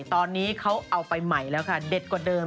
ตอนนี้เขาเอาไปใหม่แล้วค่ะเด็ดกว่าเดิม